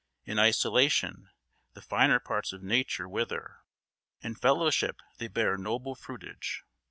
In isolation the finer parts of nature wither; in fellowship they bear noble fruitage.